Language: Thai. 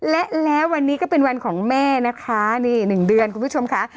และแล้ววันนี้ก็เป็นวันของแม่นะคะนี่๑เดือนคุณผู้ชมค่ะ